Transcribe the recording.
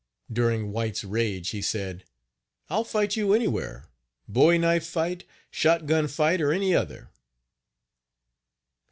During White's rage he said: "I'll fight you anywhere bowie knife fight, shot gun fight or any other."